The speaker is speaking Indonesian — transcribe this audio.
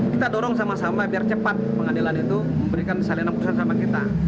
kita dorong sama sama biar cepat pengadilan itu memberikan salinan putusan sama kita